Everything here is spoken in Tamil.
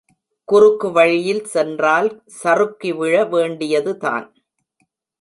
குறுக்கு வழியில் சென்றால் சறுக்கி விழ வேண்டியதுதான்.